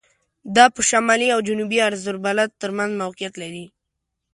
دا په شمالي او جنوبي عرض البلد تر منځ موقعیت لري.